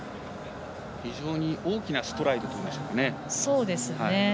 非常に大きなストライドというんでしょうか。